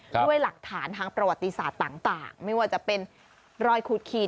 ด้วยหลักฐานทางประวัติศาสตร์ต่างไม่ว่าจะเป็นรอยขูดขีด